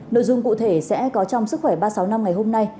nội dung cụ thể sẽ có trong sức khỏe ba trăm sáu mươi năm ngày hôm nay